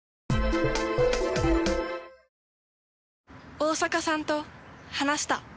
大坂さんと話した。